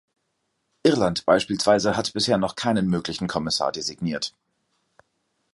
Irland beispielsweise hat bisher noch keinen möglichen Kommissar designiert.